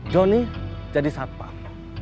jonny jadi satpam